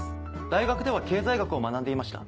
大学では経済学を学んでいました。